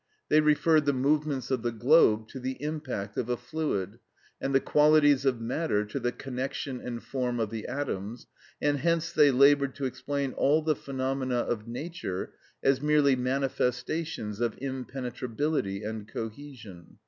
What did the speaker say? They referred the movements of the globe to the impact of a fluid, and the qualities of matter to the connection and form of the atoms, and hence they laboured to explain all the phenomena of nature as merely manifestations of impenetrability and cohesion.